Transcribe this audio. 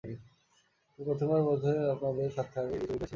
কিন্তু প্রথমবারের মতো, আপনাদের স্বার্থে আমি কিছু বলতে এখানে এসেছি।